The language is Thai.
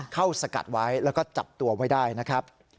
สกัดไว้แล้วก็จับตัวไว้ได้นะครับ